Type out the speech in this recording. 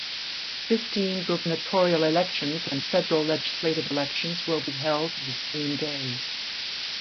Fifteen gubernatorial elections and federal legislative elections will be held the same day.